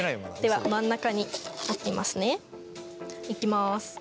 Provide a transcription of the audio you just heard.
では真ん中に置きますね。いきます。